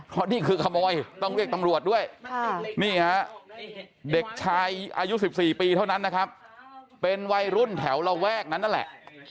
เพราะนี่คือขโมยต้องเรียกตำรวจด้วยนี่ฮะเด็กชายอายุ๑๔ปีเท่านั้นนะครับเป็นวัยรุ่นแถวระแวกนั้นนั่นแหละ